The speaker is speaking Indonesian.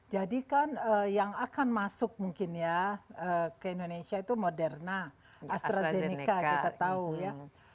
jadi kan yang akan masuk mungkin ya ke indonesia itu moderna astrazeneca kita tahu ya